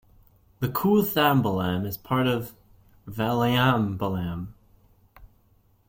The koothambalam is part of Valiambalam.